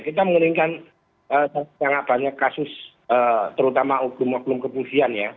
kita mengeninkan sangat banyak kasus terutama hukum hukum kebunsihan ya